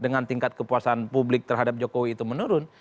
dengan tingkat kepuasan publik terhadap jokowi itu menurun